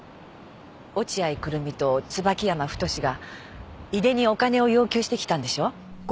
落合久瑠実と椿山太が井出にお金を要求してきたんでしょ？